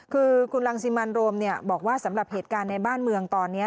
คือคุณรังสิมันโรมบอกว่าสำหรับเหตุการณ์ในบ้านเมืองตอนนี้